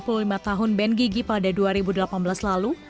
dua puluh lima tahun band gigi pada dua ribu delapan belas lalu